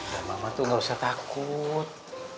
sama mama tuh gak usah takut